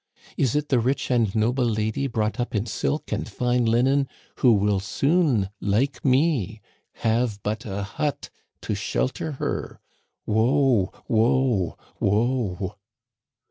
Is it the rich and noble lady, brought up in silk and fine linen, who will soon, like me, have but a hut to shelter her? Woe ! Woe ! Woe